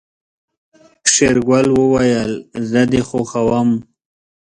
شېرګل وويل زه دې خوښوم.